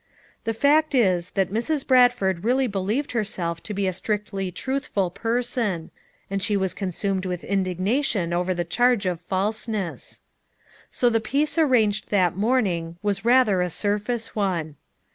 The fact is that Mrs. Brad ford really believed herself to be a strictly truthful person ; and she was consumed with in dignation over the charge of falseness. So the peace arranged that morning was rather a sur face one.